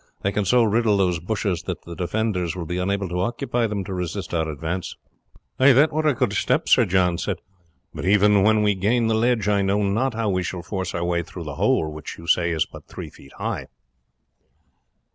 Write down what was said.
They can so riddle those bushes that the defenders will be unable to occupy them to resist our advance." "That were a good step," Sir John said; "but even when we gain the ledge I know not how we shall force our way through the hole, which you say is but three feet high."